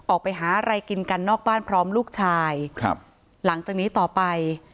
ออกไปหาอะไรกินกันนอกบ้านพร้อมลูกชายครับหลังจากนี้ต่อไป